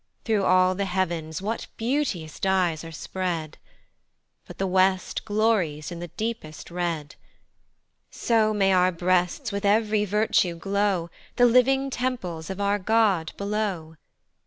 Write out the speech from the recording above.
Through all the heav'ns what beauteous dies are spread! But the west glories in the deepest red: So may our breasts with ev'ry virtue glow, The living temples of our God below!